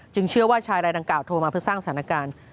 เชื่อว่าชายรายดังกล่าโทรมาเพื่อสร้างสถานการณ์